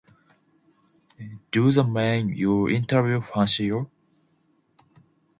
'Do the men you interview fancy you?